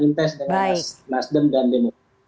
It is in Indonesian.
intes dengan mas dem dan demo